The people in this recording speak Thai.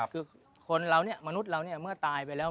คุณแล้วเนี่ยมนุษย์ก็เมื่อตายไปแล้ว